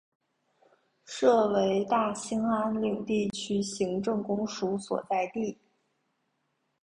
设为大兴安岭地区行政公署所在地。